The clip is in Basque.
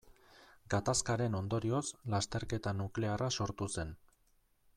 Gatazkaren ondorioz lasterketa nuklearra sortu zen.